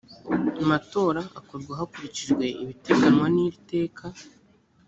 matora akorwa hakurikijwe ibiteganywa n iriteka